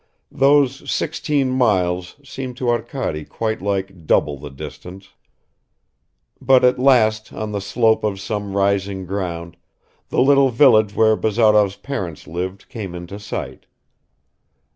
Those sixteen miles seemed to Arkady quite like double the distance. But at last on the slope of some rising ground the little village where Bazarov's parents lived came into sight.